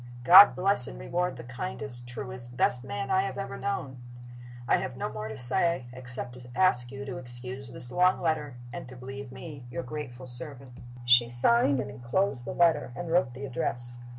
God bless and reward the kindest, truest, best man I have ever known! "I have no more to say, except to ask you to excuse this long letter, and to believe me your grateful servant, ." She signed and inclosed the letter, and wrote the address.